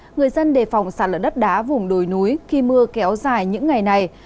người dân đề phòng sạt lở đất đá vùng đồi núi khi mưa kéo dài những ngày này